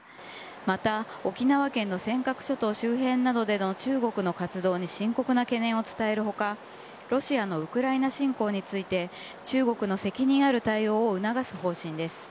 また沖縄県の尖閣諸島周辺などでの中国の活動に深刻な懸念を伝える他ロシアのウクライナ侵攻について中国の責任ある対応を促す方針です。